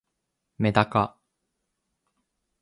めだか